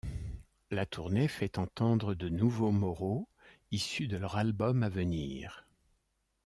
La tournée fait entendre de nouveaux moreaux issus de leur album à venir, '.